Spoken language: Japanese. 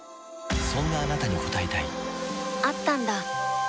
そんなあなたに応えたいあったんだ！